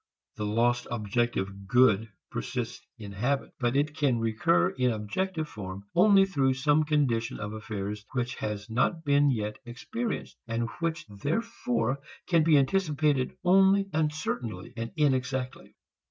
The lost objective good persists in habit, but it can recur in objective form only through some condition of affairs which has not been yet experienced, and which therefore can be anticipated only uncertainly and inexactly.